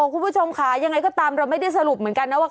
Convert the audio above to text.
คุณผู้ชมค่ะยังไงก็ตามเราไม่ได้สรุปเหมือนกันนะว่า